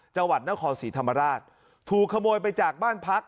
จังหวัดนครศรีธรรมราชถูกขโมยไปจากบ้านพัก